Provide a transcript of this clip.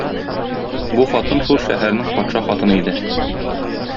Бу хатын шул шәһәрнең патша хатыны иде.